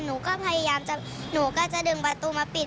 หนูก็พยายามจะหนูก็จะดึงประตูมาปิด